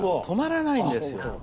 止まらないんですよ。